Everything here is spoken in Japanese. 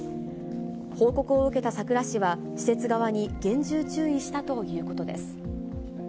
報告を受けた佐倉市は、施設側に厳重注意したということです。